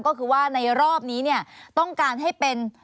ก็คือว่าในรอบนี้เนี่ยต้องการให้เป็น